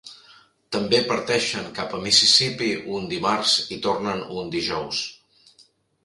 També parteixen cap a Mississippi un dimarts i tornen un dijous.